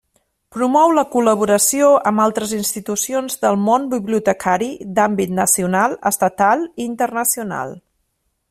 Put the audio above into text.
Promou la col·laboració amb altres institucions del món bibliotecari d'àmbit nacional, estatal i internacional.